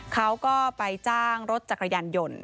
เขาก็ไปจ้างรถจักรยานยนต์